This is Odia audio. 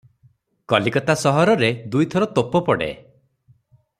କଲିକତା ସହରରେ ଦୁଇ ଥର ତୋପ ପଡ଼େ ।